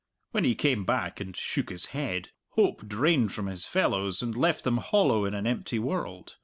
When he came back and shook his head, hope drained from his fellows and left them hollow in an empty world.